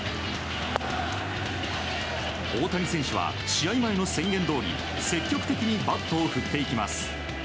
大谷選手は試合前の宣言どおり積極的にバットを振っていきます。